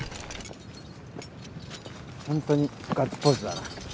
本当にガッツポーズだな。